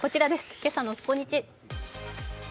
今朝の「スポニチ」。